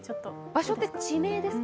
場所って地名ですか。